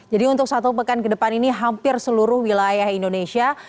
jadi untuk satu pekan ke depan ini hampir seluruh wilayah indonesia